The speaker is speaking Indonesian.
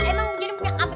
emang ibu jenny punya apa